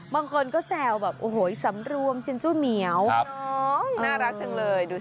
บางคนก็แซวแบบโอ้โหสำรวมชินเจ้าเหมียวน่ารักจังเลยดูสิ